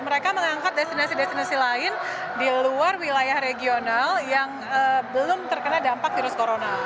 mereka mengangkat destinasi destinasi lain di luar wilayah regional yang belum terkena dampak virus corona